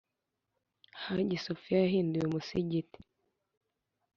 Hagi Sophia yahinduwe umusigiti